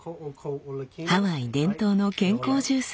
ハワイ伝統の健康ジュース